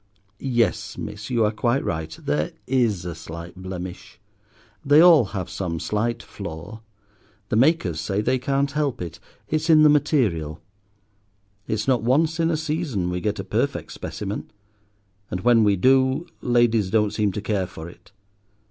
Yes, miss, you are quite right, there is a slight blemish. They all have some slight flaw. The makers say they can't help it—it's in the material. It's not once in a season we get a perfect specimen; and when we do ladies don't seem to care for it.